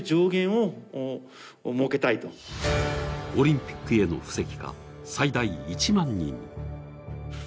オリンピックへの布石か、最大１万人。